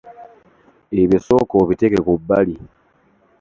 Ebyo sooka obiteeke ku bbali.